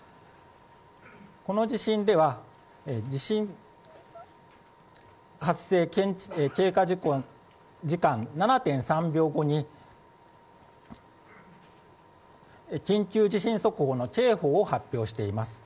この地震では地震発生経過時間７．３秒後に緊急地震速報の警報を発表しています。